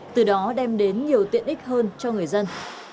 từ đó đem đến nhiều tiện ích hơn cho người dân